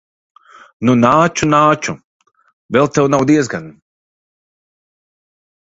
Nu, nāču, nāču. Vēl tev nav diezgan.